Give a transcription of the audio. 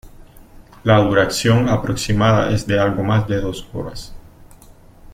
La duración aproximada es de algo más de dos horas.